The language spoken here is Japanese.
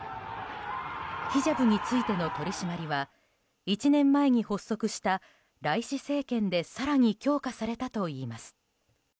ヒジャブについての取り締まりは１年前に発足したライシ政権で更に強化されたといいます。